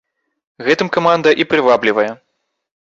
Гэтым каманда і прываблівае.